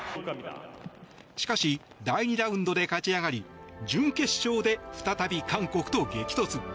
しかし第２ラウンドで勝ち上がり準決勝で再び韓国と激突。